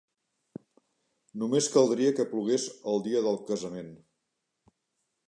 Només caldria que plogués el dia del casament.